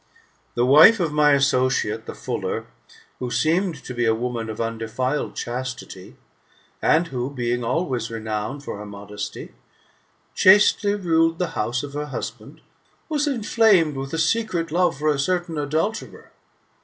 " The wife of my associate, the fuller, who seemed to be a woman of undefiled chastity, and who, being always renowned [for her modesty], chastely ruled the house of her husband, was inflamed with a secret love for a certain adulterer.